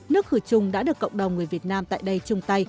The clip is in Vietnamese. nước khử trùng đã được cộng đồng người việt nam tại đây chung tay